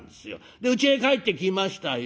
でうちへ帰ってきましたよ。